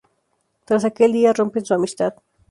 Tras aquel día, rompen su amistad.